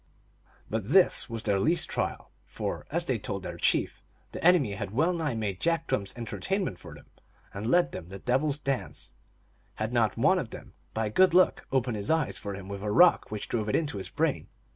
But this was their least trial, for, as they told their chief, the enemy had well nigh made Jack Drum s entertainment for them, and led them the devil s dance, had not one of them, by good luck, opened his eye for him with a rock >vhich drove it into his brain.